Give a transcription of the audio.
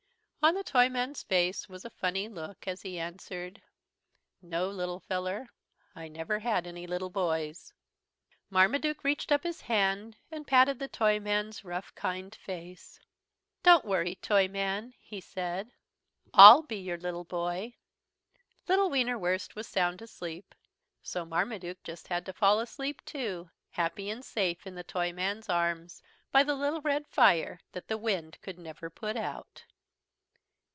On the Toyman's face was a funny look as he answered: "No, little feller, I never had any little boys." Marmaduke reached up his hand and patted the Toyman's rough, kind face. "Don't worry, Toyman," he said, "I'll be your little boy." Little Wienerwurst was sound asleep, so Marmaduke just had to fall asleep too, happy and safe in the Toyman's arms, by the little red fire that the wind could never put out.